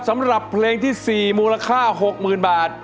สำหรับเพลงที่สี่มูลค่าหกหมื่นบาท